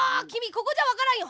ここじゃわからんよ。